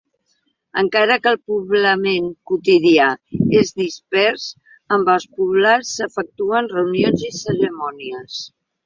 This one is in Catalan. Encara que el poblament quotidià és dispers, en els poblats s'efectuen reunions i cerimònies.